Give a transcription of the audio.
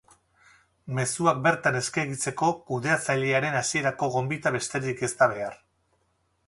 Mezuak bertan eskegitzeko kudeatzailearen hasierako gonbita besterik ez da behar.